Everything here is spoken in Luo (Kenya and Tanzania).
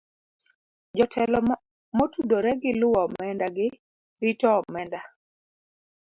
Jotelo motudore gi luwo omenda gi rito omenda